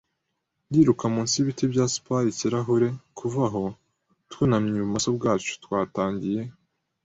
yiruka munsi yibiti bya Spy-ikirahure. Kuva aho, twunamye ibumoso bwacu, twatangiye